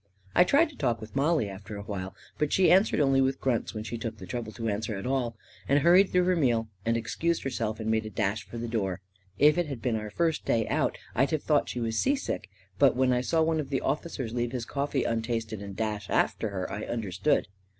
I tried to talk with Mollie, after awhile, but she answered only with grunts, when she took the trou ble to answer at all, and hurried through her meal and excused herself and made a dash for the door. If it had been our first day out, I'd have thought she was sea sick; but when I saw one of the officers leave his coffee untasted and dash after her, I understood.